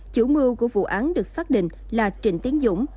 chủ mưu của vụ án được xác định là trịnh tiến dũng